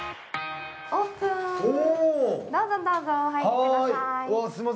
オープン、どうぞどうぞお入りください。